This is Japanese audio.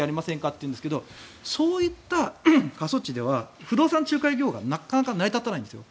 って言うんですけどそういった過疎地では不動産仲介業がなかなか成り立たないんですよ。